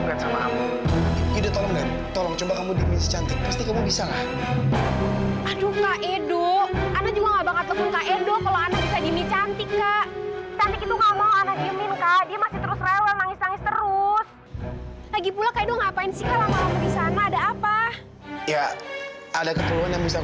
terus lagi pula kayak ngapain sih kalau mau disana ada apa ya ada keperluan yang bisa